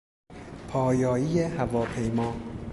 پایایی هواپیما